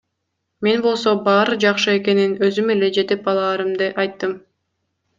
Мен болсо баары жакшы экенин, өзүм эле жетип алаарымды айттым.